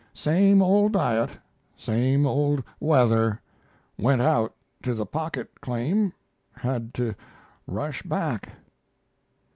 Same old diet same old weather went out to the pocket claim had to rush back.